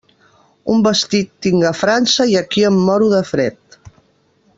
Un vestit tinc a França, i aquí em moro de fred.